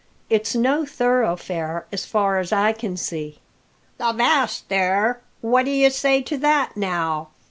"It's no thoroughfare, so far as I can see." "Avast there! What d'ye say to that, now?"